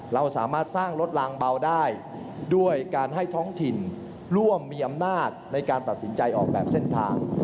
เราสามารถสร้างรถลางเบาได้ด้วยการให้ท้องถิ่นร่วมมีอำนาจในการตัดสินใจออกแบบเส้นทาง